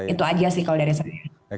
itu aja sih kalau dari saya